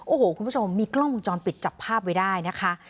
โอ้โหคุณผู้ชมมีกล้องวงจรปิดจับภาพไว้ได้นะคะ